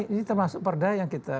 ini termasuk perda yang kita